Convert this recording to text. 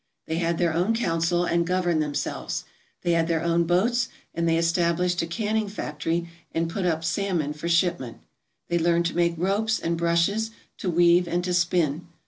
They had their own council and governed themselves. They had their own boats, and they established a canning factory and put up salmon for shipment. They learned to make ropes and brushes, to weave, and to spin.